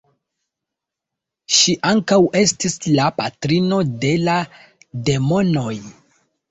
Ŝi ankaŭ estis la patrino de la demonoj.